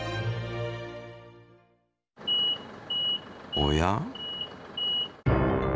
おや？